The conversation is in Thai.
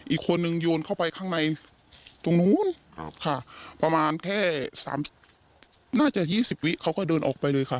อีกคนนึงโยนเข้าไปข้างในตรงนู้นประมาณแค่สามน่าจะยี่สิบวิเขาก็เดินออกไปเลยค่ะ